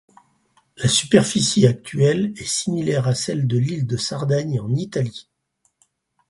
La superficie actuelle est similaire à celle de l'île de Sardaigne en Italie.